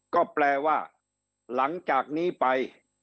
ก็แปลว่าหลังจากนี้ไป